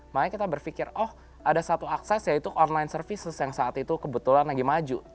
makanya kita berpikir oh ada satu akses yaitu online services yang saat itu kebetulan lagi maju